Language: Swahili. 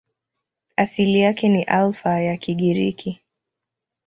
Asili yake ni Alfa ya Kigiriki.